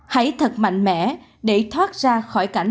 hãy thật mạnh mẽ để thoát ra khỏi cảnh